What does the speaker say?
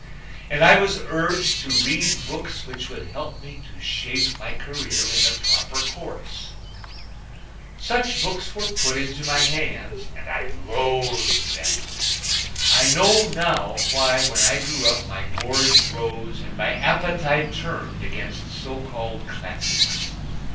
And I was urged to read books which would help me to shape my career in a proper course. Such books were put into my hands, and I loathed them. I know now why when I grew up my gorge rose and my appetite turned against so called classics.